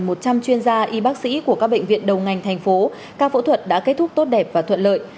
một trăm linh chuyên gia y bác sĩ của các bệnh viện đầu ngành thành phố ca phẫu thuật đã kết thúc tốt đẹp và thuận lợi